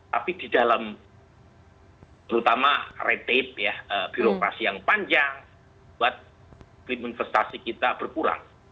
tapi di dalam terutama retip birokrasi yang panjang buat investasi kita berkurang